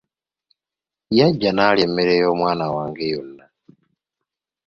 Yajja n’alya emmere y'omwana wange yonna.